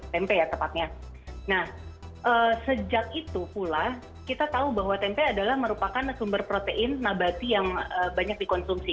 tempe ya tepatnya nah sejak itu pula kita tahu bahwa tempe adalah merupakan sumber protein nabati yang banyak dikonsumsi